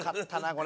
これ。